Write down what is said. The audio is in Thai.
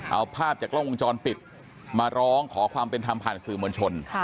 เอาภาพจากกล้องวงจรปิดมาร้องขอความเป็นธรรมผ่านสื่อมวลชน